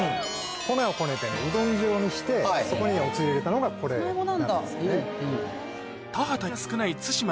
粉をこねてうどん状にしてそこにおつゆ入れたのがこれなんですね。